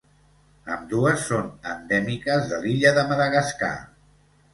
Ambdues són endèmiques de l'illa de Madagascar.